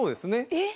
えっ！